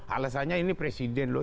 alasannya ini presiden loh